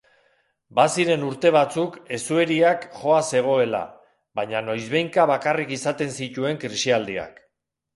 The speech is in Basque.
Baziren urte batzuk hezueriak joa zegoela, baina noizbehinka bakarrik izaten zituen krisialdiak.